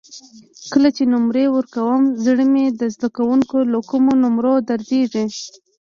کله چې نمرې ورکوم زړه مې د زده کوونکو له کمو نمرو دردېږي.